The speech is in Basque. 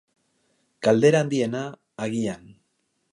Galdera handiegia, agian.